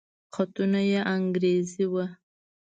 خطونه يې انګريزي وو.